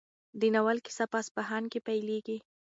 د ناول کیسه په اصفهان کې پیلېږي.